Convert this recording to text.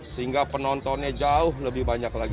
sehingga penontonnya jauh lebih banyak lagi